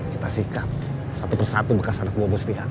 kita sikap satu persatu bekas anakmu mustiahat